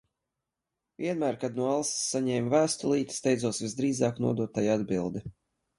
Vienmēr kad no Alises saņēmu vēstulīti, steidzos visdrīzāk nodot tai atbildi.